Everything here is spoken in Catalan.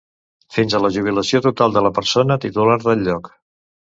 Fins a la jubilació total de la persona titular del lloc.